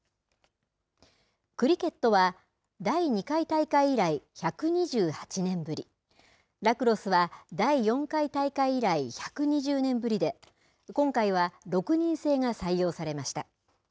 クリケットは第２回大会以来、１２８年ぶり、ラクロスは第４回大会以来、１２０年ぶりで、今回は６人制が採用されました。